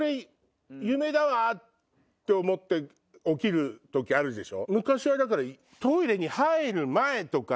夢だわ！って思って起きる時あるでしょ。